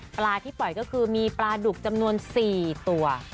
ปลาที่ปล่อยก็คือมีปลาดุกจำนวน๔ตัว